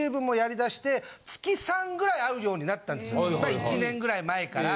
１年ぐらい前から。